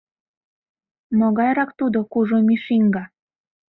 Могайрак тудо Кужу Мишиҥга?